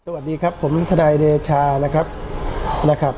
สวัสดีครับผมทนายเดชานะครับนะครับ